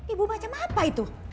ibu macam apa itu